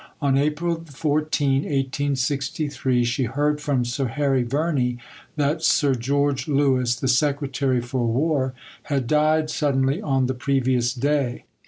On April 14, 1863, she heard from Sir Harry Verney that Sir George Lewis, the Secretary for War, had died suddenly on the previous day.